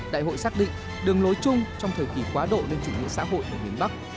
đại hội xác định đường lối chung trong thời kỳ quá độ lên chủ nghĩa xã hội ở miền bắc